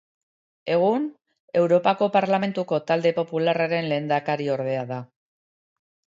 Egun, Europako Parlamentuko Talde Popularraren lehendakariordea da.